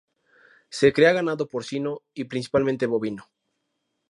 Se cría ganado porcino y principalmente bovino.